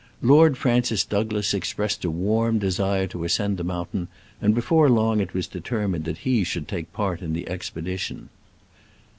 Lord Francis Douglas expressed a warm desire to ascend the mountain, and be fore long it was determined that he should take part in the expedition.